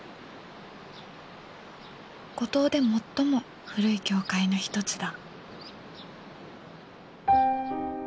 五島で最も古い教会の一つだ。